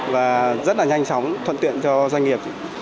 và rất là nhanh chóng thuận tiện cho doanh nghiệp